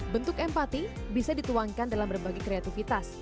bentuk empati bisa dituangkan dalam berbagai kreativitas